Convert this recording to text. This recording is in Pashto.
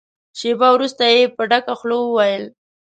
شېبه وروسته يې په ډکه خوله وويل.